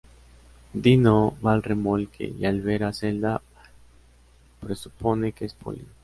Dino va al remolque y al ver a Zelda presupone que es Polly.